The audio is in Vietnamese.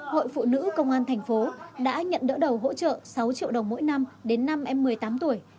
hội phụ nữ công an thành phố đã nhận đỡ đầu hỗ trợ sáu triệu đồng mỗi năm đến năm em một mươi tám tuổi